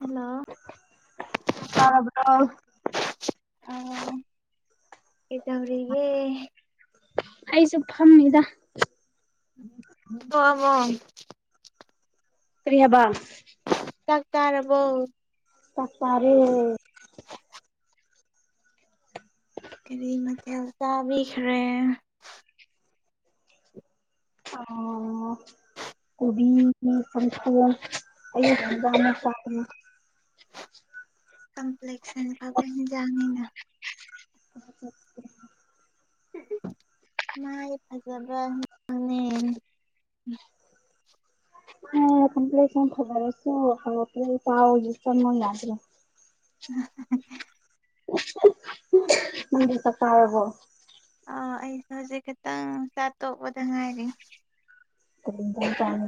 Hello ꯆꯥꯛ ꯆꯔꯕꯥꯔꯣ ꯑꯧ ꯀꯩꯗꯧꯔꯤꯒꯦ ꯑꯩꯁꯨ ꯐꯝꯃꯤꯗ [unintelligible] ꯀꯔꯤ ꯍꯕ ꯆꯥꯛ ꯆꯥꯔꯕꯣ ꯆꯥꯛ ꯆꯥꯔꯦ꯫ ꯀꯔꯤ ꯃꯊꯦꯜ ꯆꯥꯕꯤꯈ꯭ꯔꯦ ꯑꯣ ꯎꯝ [unintelligible] ꯀꯝꯄ꯭ꯂꯦꯛꯁꯟ ꯐꯕꯥ ꯍꯦꯟꯖꯥꯡꯅꯤꯅ [unintelligible] ꯃꯥꯏ ꯐꯖꯕ ꯅꯦ ꯍꯣ ꯀꯝꯄꯂꯦꯛꯁꯟ ꯐꯖꯗꯔꯁꯨ [unintelligible] [unintelligible] ꯅꯪꯗꯤ ꯆꯥꯛ ꯆꯥꯔꯕꯣ ꯑ ꯑꯩꯁꯨ ꯍꯧꯖꯤꯛ ꯈꯤꯇꯪ ꯆꯥꯠꯇꯣꯛꯄꯗ ꯉꯥꯏꯔꯤ ꯀꯩ ꯍꯤꯟꯖꯥꯡ ꯆꯥ [unintelligible]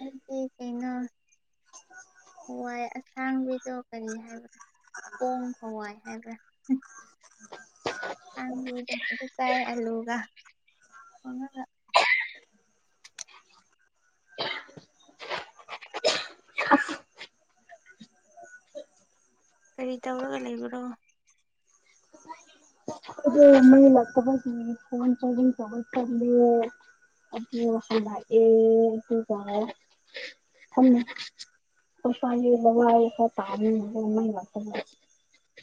ꯑꯩꯗꯤ ꯀꯩꯅꯣ ꯍꯋꯥꯏ ꯑꯁꯥꯡꯕꯤꯗꯣ ꯀꯔꯤ ꯍꯥꯏꯕꯅꯣ ꯄꯣꯡ ꯍꯋꯥꯏ ꯍꯥꯏꯕ꯭ꯔꯥ ꯄꯝꯕꯤꯗꯣ ꯑꯗꯨ ꯆꯥꯏ ꯑꯂꯨꯒ ꯊꯣꯡꯉꯒ ꯀꯔꯤ ꯇꯧꯔꯒ ꯂꯩꯕ꯭ꯔꯣ [unintelligible] [unintelligible] [unintelligible] ꯐꯝꯃꯤ [unintelligible]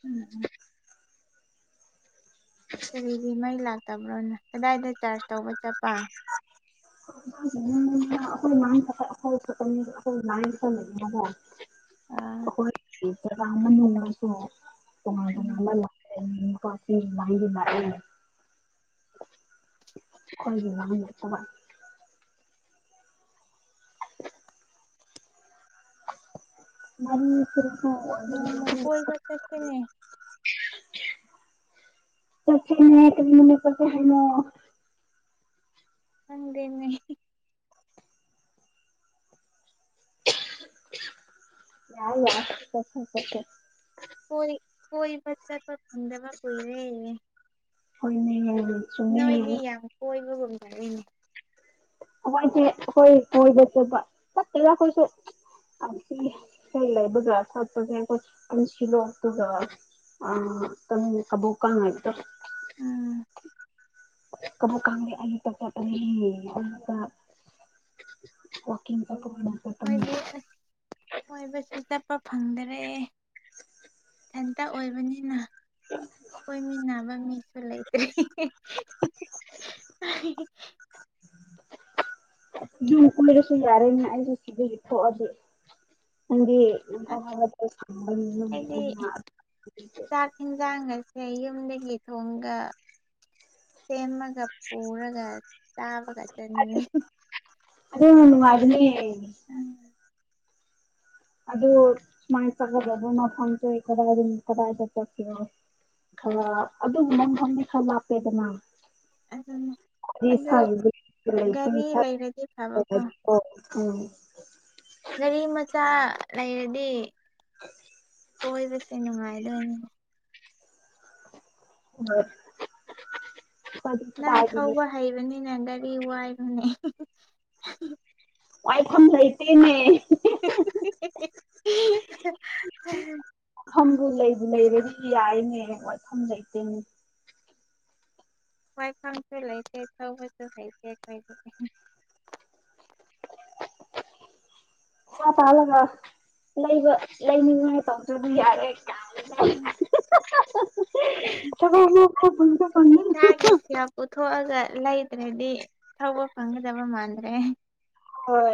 ꯎꯝ ꯍꯝ ꯀꯔꯤꯒꯤ ꯃꯩ ꯂꯥꯛꯇꯕ꯭ꯔꯣꯅ ꯀꯗꯥꯏꯗ ꯆꯔꯖ ꯇꯧꯕ ꯆꯠ [unintelligible] [unintelligible] [unintelligible] ꯑꯥ [unintelligible] ꯎꯝ [unintelligible] [unintelligible] ꯅꯣꯡꯃ ꯀꯣꯏꯕ ꯆꯠꯁꯤꯅꯦ [unintelligible] [unintelligible] ꯈꯪꯗꯦꯅꯦ [unintelligible] ꯀꯣꯏ ꯀꯣꯏ ꯆꯠꯇ ꯐꯗ ꯀꯨꯏꯔꯦ [unintelligible] ꯅꯣꯏꯗꯤ ꯌꯥꯝ ꯀꯣꯏꯕꯒꯨꯝ ꯇꯧꯏꯅꯦ ꯑꯈꯣꯏꯗꯤ ꯑꯈꯣꯏ ꯀꯣꯏꯕꯥ ꯆꯠꯄꯥ ꯆꯠꯇꯦꯗꯥ ꯑꯩꯈꯣꯏꯁꯨ [unintelligible] [unintelligible] ꯎꯝ [unintelligible] ꯑꯩꯈꯣꯏꯗꯤ ꯑꯁ [unintelligible] ꯀꯣꯏꯕꯁꯨ ꯆꯠꯄ ꯐꯪꯗꯔꯦ ꯏꯊꯟꯇ ꯑꯣꯏꯕꯅꯤꯅ ꯀꯣꯏꯃꯤꯅꯥꯕ ꯃꯤꯁꯨ ꯂꯩ ꯔꯤ [unintelligible] ꯌꯨꯝ ꯀꯣꯏꯏꯔꯁꯨ ꯌꯥꯔꯦꯅꯦ ꯑꯩꯁꯨ ꯁꯤꯗ ꯊꯣꯛꯑꯗꯤ ꯍꯥꯏꯗꯤ [unintelligible] ꯏꯟꯖꯥꯡ ꯒꯥꯁꯦ ꯌꯨꯝꯗꯒꯤ ꯊꯣꯡꯉꯒ ꯁꯦꯝꯃꯒ ꯄꯨꯔꯒ ꯆꯥꯕꯒ ꯆꯑꯥꯠꯅꯤꯡꯉꯤ ꯑꯗꯨꯝ ꯅꯨꯡꯉꯥꯏꯕꯅꯦ [inaudible] ꯑꯗꯨ ꯁꯨꯃꯥꯏ ꯆꯠꯂꯒꯥ ꯗꯨꯝ ꯃꯐꯥꯝꯁꯦ ꯀꯗꯥꯏꯗ [unintelligible] ꯈꯔ ꯑꯗꯨꯕꯨ ꯅꯪ ꯈꯪꯗꯤ ꯈꯔ ꯂꯞꯄꯦꯗꯅ ꯑꯗꯨꯅꯦ [unintelligible] ꯑꯗꯨ ꯑꯣ ꯎꯝ ꯒꯥꯔꯤ ꯂꯩꯔꯗꯤ ꯐꯕꯀꯣ ꯒꯥꯔꯤ ꯃꯆꯥ ꯂꯩꯔꯗꯤ [inaudible] ꯀꯣꯏꯕꯁꯦ ꯅꯨꯡꯉꯥꯏꯗꯣꯏꯅꯤꯅꯦ [inaudible] ꯅꯪ ꯀꯗꯥꯏꯗꯒꯤ ꯊꯧꯕ ꯍꯩꯕꯅꯤꯅ ꯒꯥꯔꯤ ꯋꯥꯏꯔꯣꯅꯦ ꯋꯥꯏꯈꯝ ꯂꯩꯇꯦꯅꯦ [unintelligible] ꯃꯐꯝꯗꯨ ꯂꯩꯕꯨ ꯂꯩꯔꯗꯤ ꯌꯥꯏꯅꯦ ꯋꯥꯏꯐꯝ ꯂꯩꯇꯦꯅꯦ ꯋꯥꯥꯏꯐꯝꯁꯨ ꯂꯩꯥꯇꯦ ꯊꯧꯕꯁꯨ ꯍꯩꯇꯦ ꯑꯈꯣꯢꯗꯤ ꯫ ꯄꯩꯁꯥ ꯇꯥꯜꯂꯒ ꯂꯩꯕ ꯂꯩꯅꯤꯡꯉꯥꯏ ꯇꯧꯗ꯭ꯔꯗꯤ ꯌꯥꯔꯦ ꯎꯝ ꯏꯁꯥꯒꯤ [unintelligible] ꯁꯦꯜ ꯄꯨꯊꯣꯛꯑꯒ ꯂꯩꯇ꯭ꯔꯗꯤ ꯊꯧꯕ ꯐꯪꯒꯗꯕ ꯃꯥꯟꯗ꯭ꯔꯦ ꯍꯣꯏ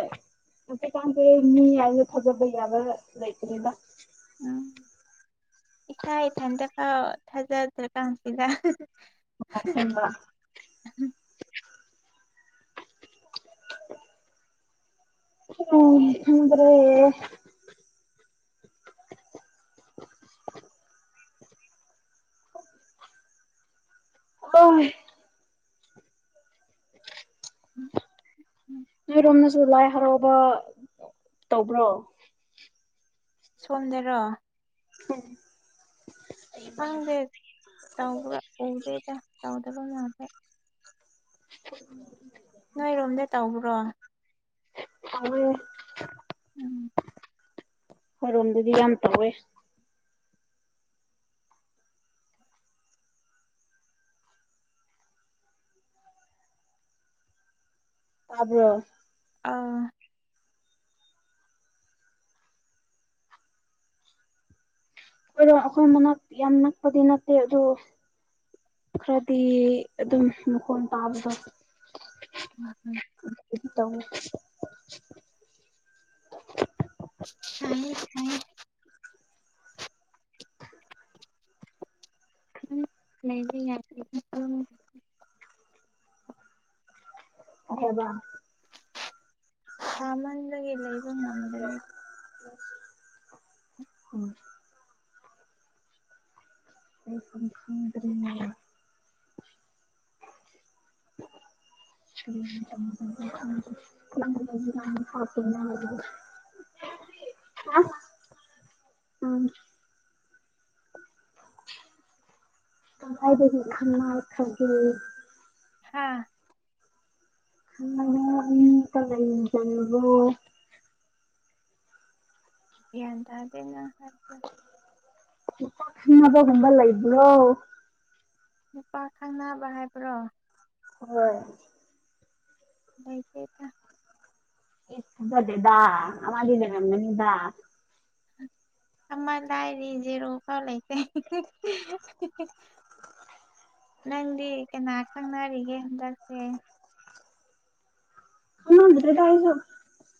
ꯍꯧꯖꯤꯛꯀꯥꯟꯁ ꯃꯤ ꯌꯥꯝꯅ ꯊꯥꯖꯕ ꯌꯥꯕ ꯂꯩꯇꯔ꯭ꯦꯗ ꯎꯝ ꯏꯁꯥ ꯏꯊꯟꯗꯐꯥꯎ ꯊꯥꯖꯗ꯭ꯔ ꯀꯥꯟꯁꯤꯗ [inaudible] [unintelligible] ꯈꯪꯗ꯭ꯔꯦ ꯑ [unintelligible] ꯅꯣꯏꯔꯣꯝꯗꯁꯨ ꯂꯥꯏ ꯍꯔꯥꯑꯣ [unintelligible] ꯇꯧꯕ꯭ꯔꯣ ꯁꯣꯝꯗꯔꯣ ꯍꯝ [inaudible] ꯈꯪꯗꯦ [unintelligible] ꯎꯗꯦꯗ ꯇꯧꯗꯕ [unintelligible] [inaudible] ꯅꯣꯏꯔꯣꯝꯗ ꯇꯧꯕ꯭ꯔꯣ [unintelligible] ꯎꯝ ꯑꯩꯈꯣꯏꯔꯣꯝꯗꯗꯤ ꯌꯥꯝ ꯇꯧꯋꯦ ꯇꯥꯕ꯭ꯔꯣ ꯑꯪ [unintelligible] ꯑꯩꯈꯣꯏ ꯃꯅꯥꯛ ꯌꯥꯝ ꯅꯛꯄꯗꯤ ꯅꯠꯇꯦ ꯑꯗꯨ ꯈꯔꯗꯤ ꯑꯗꯨꯝ ꯃꯈꯣꯟ ꯇꯥꯕꯗꯣ [unintelligible] [unintelligible] ꯁꯥꯏꯍꯦ ꯁꯥꯏꯍꯦ [unintelligible] ꯑꯍꯣꯏꯕ ꯁꯥꯃꯟꯕꯒꯤ ꯂꯩꯕ ꯉꯝꯗ꯭ꯔꯦ [unintelligible] ꯂꯩꯐꯝ ꯈꯪꯗ꯭ꯔꯦꯅꯦ [inaudible] [unintelligible] ꯀꯗꯥꯏꯗꯒꯤ ꯈꯪꯅꯈ꯭ꯔꯒꯦ ꯍꯥꯥ [unintelligible] ꯒ꯭ꯌꯥꯟ ꯇꯥꯗꯦ ꯅꯪ ꯍꯥꯏꯕꯗꯣ ꯈꯪꯅꯕꯒꯨꯝꯕ ꯂꯩꯕ꯭ꯔꯣ ꯅꯨꯨꯄꯥ ꯈꯪꯅꯕ ꯍꯥꯏꯕ꯭ꯔꯣ ꯍꯣꯏ ꯂꯩꯇꯦꯗ ꯏꯁ ꯊꯥꯖꯗꯦꯗꯥ ꯑꯃꯗꯤ ꯂꯩꯔꯝꯒꯅꯤꯗꯥ ꯑꯃ ꯂꯥꯏꯔꯤ ꯖꯦꯔꯣꯐꯥꯎ ꯂꯩꯇꯦ ꯅꯪꯗꯤ ꯀꯅꯥ ꯈꯪꯅꯔꯤꯒꯦ ꯍꯟꯗꯛꯇꯤ ꯈꯪꯅꯗ꯭ꯔꯦꯗ ꯑꯩꯁꯨ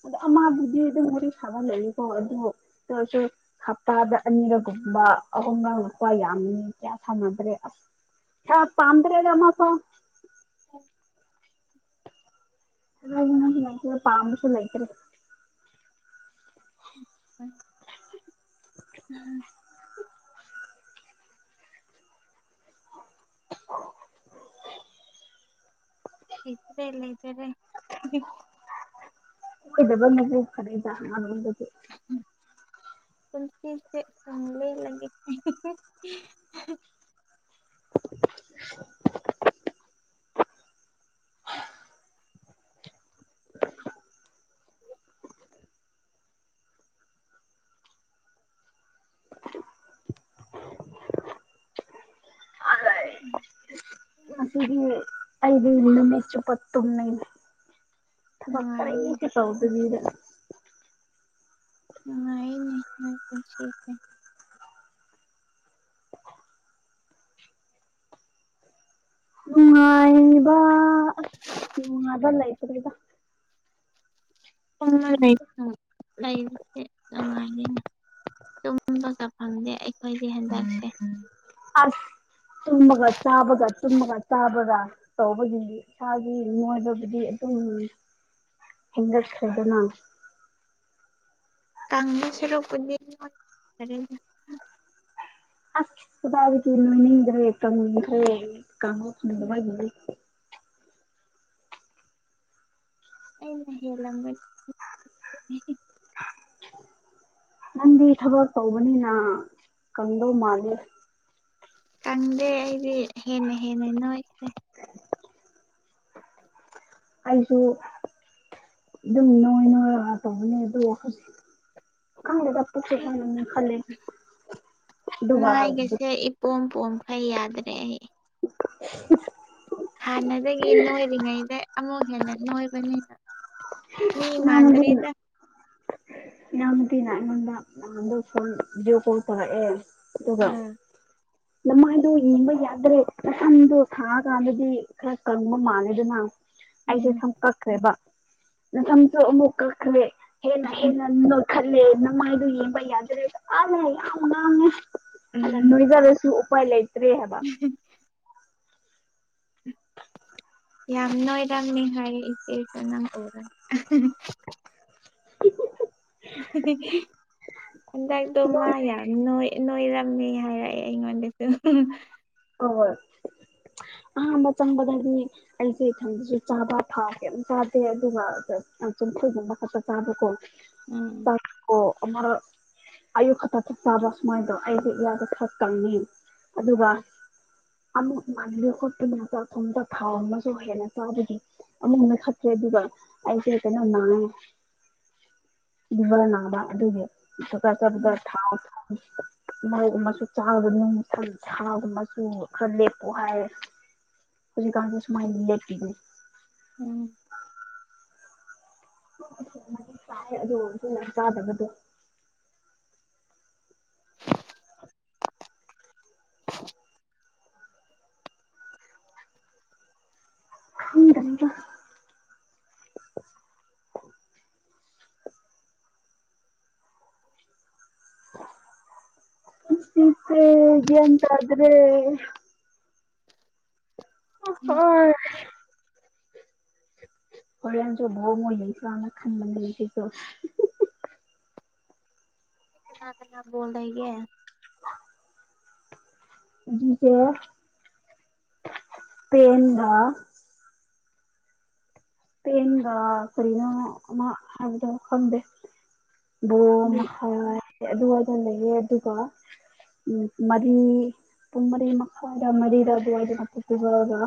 ꯑꯗꯣ ꯑꯃꯕꯨꯗꯤ ꯑꯗꯨꯝ ꯋꯥꯔꯤ ꯁꯥꯕ ꯂꯩꯌꯦꯀꯣ ꯑꯗꯨ [unintelligible] ꯍꯞꯇꯥꯗ ꯑꯅꯤꯔꯛꯀꯨꯝꯕ ꯑꯍꯨꯝ [unintelligible] ꯌꯥꯝꯅꯤ ꯀꯌꯥ ꯁꯥꯟꯅꯗ꯭ꯔꯦ ꯑꯁ [unintelligible] ꯄꯥꯝꯗ꯭ꯔꯦꯗ ꯑꯃꯐꯥꯎ [unintelligible] ꯄꯥꯝꯕꯁꯨ ꯂꯩꯇꯔꯦ [unintelligible] [inaudible] ꯂꯩꯇ꯭ꯔꯦ ꯂꯩꯇ꯭ꯔꯦ ꯀꯣꯏꯗꯕꯅꯁꯨ ꯐꯔꯦꯗ ꯑꯃꯔꯣꯝꯗꯗꯤ ꯄꯨꯟꯁꯤꯁꯦ ꯁꯨꯝ ꯂꯦꯟꯂꯒꯦ [inaudible] ꯉꯁꯤꯗꯤ ꯑꯩꯗꯤ ꯅꯨꯃꯤꯠꯆꯨꯞꯄ ꯇꯨꯝꯃꯤꯅꯦ ꯊꯕꯛ ꯅꯨꯡꯉꯥꯏꯅꯦ ꯀꯔꯤꯁꯨ ꯇꯧꯗꯕꯤꯗ ꯅꯨꯡꯉꯥꯏꯅꯦ ꯅꯣꯏ ꯄꯨꯟꯁꯤꯁꯦ ꯅꯨꯡꯉꯥꯏꯕ ꯑꯁ ꯅꯨꯡꯉꯥꯏꯕ ꯂꯩꯇ꯭ꯔꯦꯗ [unintelligible] ꯅꯨꯡꯉꯥꯏꯅꯤꯅ ꯇꯨꯝꯕꯒ ꯐꯪꯗꯦ ꯑꯩꯈꯣꯏꯗꯤ ꯍꯟꯗꯛꯁꯦ ꯑꯁ ꯇꯨꯝꯕꯒ ꯆꯥꯕꯒ ꯇꯨꯝꯕꯒ ꯆꯥꯕꯒ ꯇꯧꯕꯒꯤ ꯏꯁꯥꯒꯤ ꯅꯣꯏꯕꯕꯨꯗꯤ ꯑꯗꯨꯝ ꯍꯦꯟꯒꯠꯈ꯭ꯔꯦꯗꯅ ꯀꯡꯕ ꯁꯔꯨꯛꯄꯨꯗꯤ ꯅꯣꯏ ꯐꯔꯦꯅ ꯑꯁ ꯀꯗꯥꯏꯗꯒꯤ ꯅꯣꯏꯅꯤꯡꯗ꯭ꯔꯦ ꯀꯪꯅꯤꯡꯈ꯭ꯔꯦ ꯀꯪꯕ ꯐꯪꯗꯕꯒꯤꯅꯤ ꯑꯩꯅ ꯍꯦꯜꯂꯝꯒ [unintelligible] ꯅꯪꯗꯤ ꯊꯥꯕꯛ ꯇꯧꯕꯅꯤꯅ ꯀꯪꯗꯧ ꯃꯥꯜꯂꯤ ꯀꯪꯗꯦ ꯑꯩꯗꯤ ꯍꯦꯟꯅ ꯍꯦꯟꯅ ꯅꯣꯏꯈ꯭ꯔꯦ [inaudible] ꯑꯩꯁꯨ ꯑꯗꯨꯝ ꯅꯣꯏ ꯅꯣꯏꯔꯒ ꯇꯧꯕꯅꯦ ꯑꯗꯣ ꯍꯧꯖꯤꯛ ꯈꯪꯗꯦꯗ ꯄꯨꯛꯁꯦ ꯍꯦꯟꯅ ꯅꯣꯏꯈꯠꯂꯦ ꯑꯗꯨꯒ ꯇꯣꯡ ꯇꯣꯡꯈꯩ ꯌꯥꯗ꯭ꯔꯦ ꯑꯩ ꯍꯥꯟꯅꯗꯒꯤ ꯅꯣꯏꯔꯤꯉꯩꯗ ꯑꯃꯨꯛ ꯍꯦꯟꯅ ꯅꯣꯏꯕꯅꯤꯅ ꯃꯤ ꯏꯅꯥꯎꯅꯨꯄꯤꯅ ꯃꯥꯟꯗ꯭ꯔꯦꯗ ꯏꯆꯦꯅ ꯑꯩꯉꯣꯟꯗ ꯅꯥꯍꯟꯗꯣ ꯐꯣꯟ ꯚꯤꯗꯤꯌꯣ ꯀꯣꯜ ꯇꯧꯔꯛꯑꯦ ꯑꯗꯨꯒ ꯑꯥ ꯅꯃꯥꯏꯗꯣ ꯌꯦꯡꯕ ꯌꯥꯗ꯭ꯔꯦ ꯅꯁꯝꯗꯣ ꯁꯥꯡꯉ ꯀꯥꯟꯗꯗꯤ ꯈꯔ ꯀꯪꯕ ꯃꯥꯜꯂꯦꯗꯅ ꯑꯩꯁꯦ ꯎꯝ ꯁꯝ ꯀꯛꯈ꯭ꯔꯦꯕ ꯅꯥꯁꯝꯁꯨ ꯑꯃꯨꯛ ꯀꯛꯈ꯭ꯔꯦ ꯍꯦꯟꯅ ꯍꯦꯟꯅ ꯅꯣꯏ ꯈꯜꯂꯦ ꯅꯃꯥꯏꯗꯨ ꯌꯦꯡꯕ ꯌꯥꯗ꯭ꯔꯦ ꯑꯥ ꯌꯥꯝ ꯉꯥꯡꯉꯦ ꯑꯩꯅ ꯎꯝ ꯅꯣꯏꯖꯔꯁꯨ ꯎꯄꯥꯏ ꯂꯩꯏꯇ꯭ꯔꯦ ꯍꯥꯏꯕ [unintelligible] ꯌꯥꯝ ꯅꯣꯏꯔꯝꯃꯤ ꯍꯥꯏꯌꯦ ꯏꯆꯦꯁꯨ ꯅꯪ ꯎꯔ [unintelligible] [unintelligible] ꯍꯟꯗꯛꯗꯣ ꯃꯥ ꯌꯥꯝ ꯅꯣꯏ ꯅꯣꯏꯔꯝꯃꯤ ꯍꯥꯏꯔꯛꯑꯦ ꯑꯩꯉꯣꯟꯗꯁꯨ [unintelligible] ꯍꯣ ꯍꯣꯏ ꯑꯍꯥꯝꯕ ꯆꯪꯕꯗꯗꯤ ꯑꯩꯁꯦ ꯊꯨꯝꯁꯨ ꯆꯥꯕ ꯊꯥꯎ ꯀꯩꯝ ꯆꯥꯗꯦ ꯑꯗꯨꯒ ꯆꯝꯐꯨꯠꯒꯨꯝꯕ ꯈꯛꯇ ꯆꯥꯕ ꯀꯣ ꯎꯝ ꯆꯥꯛꯀꯣ ꯑꯃꯥ ꯑꯌꯨꯛ ꯈꯛꯇ ꯆꯥꯛ ꯆꯥꯕ ꯁꯨꯃꯥꯏꯟ ꯇꯧ ꯑꯩꯁꯨ ꯏꯌꯥꯥꯛꯗꯣ ꯈꯔ ꯀꯪꯉꯤꯕꯒꯤ ꯑꯗꯨꯒ ꯑꯃꯨꯛ ꯃꯟꯕꯤ ꯈꯣꯠꯇꯨꯅ ꯊꯣꯡꯕ ꯊꯨꯝ ꯊꯥꯎ ꯒꯨꯝꯕꯁꯨ ꯍꯦꯟꯅ ꯆꯥꯕꯒꯤ ꯑꯃꯨꯛ ꯅꯣꯏꯈꯠꯇꯈ꯭ꯔꯦ ꯑꯗꯨꯒ ꯑꯩꯁꯦ ꯀꯩꯅꯣ ꯃꯥꯡ [unintelligible] ꯅꯥꯕ ꯑꯗꯨꯒꯤ ꯎꯝ [unintelligible] ꯃꯣꯔꯣꯛꯀꯨꯝꯕꯁꯨ ꯆꯥꯒꯅꯨ ꯊꯥꯎ ꯁꯨ ꯈꯔ ꯂꯦꯞꯄꯣ ꯍꯥꯏꯌꯦ ꯍꯧꯖꯤꯛꯀꯥꯟꯁꯨ ꯁꯨꯃꯥꯏꯅ ꯂꯦꯞꯄꯤꯅꯤ ꯎꯝ [unintelligible] ꯑꯗꯨ ꯑꯣꯏꯔꯁꯨ ꯆꯥꯗꯕꯗꯨ [unintelligible] ꯄꯨꯟꯁꯤꯁꯦ ꯒꯌꯥꯟ ꯇꯥꯗ꯭ꯔꯦ [inaudible] ꯑꯣ ꯎꯝ ꯍꯣꯏ ꯍꯧꯔꯦꯟꯁꯨ [unintelligible] ꯌꯟꯁꯤꯡꯅ ꯈꯟꯕꯅꯤ ꯑꯁꯤꯁꯨ ꯀꯅꯥ ꯀꯅꯥ ꯕꯣꯜꯗ ꯂꯩꯒꯦ [inaudible] ꯑꯗꯨꯒ ꯏꯁꯄꯦꯟꯒ ꯏꯁꯄꯦꯟꯒ ꯀꯔꯤꯅꯣ ꯑꯃ ꯍꯥꯏꯕꯗꯣ ꯈꯪꯗꯦ ꯌꯦ ꯕꯣꯅ [unintelligible] ꯑꯗꯨ ꯑꯗꯨ ꯂꯩꯔꯦ ꯑꯗꯨꯒ ꯎꯝ ꯃꯔꯤ ꯄꯨꯡ ꯃꯔꯤ ꯃꯈꯥꯏꯔ ꯃꯔꯤꯔ ꯑꯗꯨꯋꯥꯏꯗꯅ ꯄꯣꯔꯇꯨꯒꯜꯒ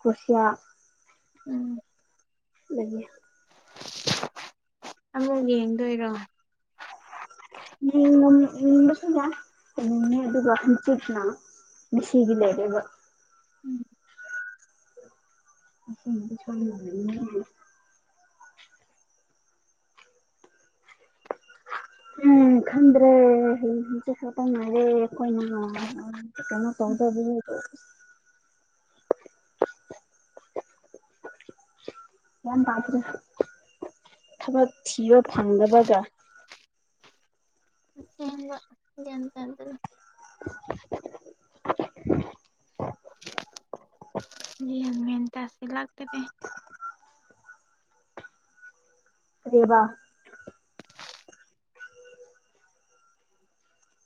ꯀꯣꯔꯁꯤꯌꯥ ꯎꯝ ꯂꯩꯌꯦ [unintelligible] ꯑꯗꯨ ꯌꯦꯡꯗꯣꯏꯔꯣ ꯌꯦꯡ ꯌꯦꯡꯕꯁꯨ ꯌꯥꯏ ꯍꯌꯦꯡꯅꯤ ꯑꯗꯨꯒ ꯍꯪꯆꯤꯠꯅ ꯃꯤꯁꯤꯒꯤ ꯂꯩꯔ‌ꯦꯕ ꯎꯝ ꯉꯁꯤꯒꯤꯗꯤ ꯁꯣꯏꯗꯅ ꯌꯦꯡꯅꯤꯌꯦ [unintelligible] ꯎꯝ ꯈꯪꯗ꯭ꯔꯦ ꯍꯌꯦꯡ ꯍꯪꯆꯤꯠ ꯈꯛꯇ ꯉꯥꯏꯔꯦ ꯑꯩꯈꯣꯏꯅ ꯀꯩꯅꯣ ꯎꯝ ꯇꯧꯗꯣ [unintelligible] ꯌꯥꯝꯕ ꯑꯗꯨ ꯊꯕꯛ ꯊꯤꯕ ꯐꯪꯗꯕꯒ ꯑꯁꯦꯡꯕ ꯒꯌꯥꯟ ꯇꯥꯗ꯭ꯔꯦ [inaudible] ꯒꯌꯥꯟ ꯃꯦꯟ ꯇꯁꯤꯜ ꯂꯛꯇ꯭ꯔꯦ ꯀꯔꯤꯕ [inaudible]